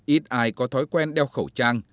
ít ai có thói quen đeo khẩu trang